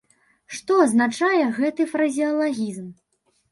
Што азначае гэты фразеалагізм?